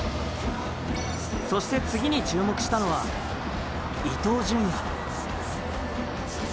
そして、次に注目したのは伊東純也。